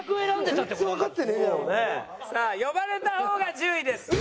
さあ呼ばれた方が１０位です。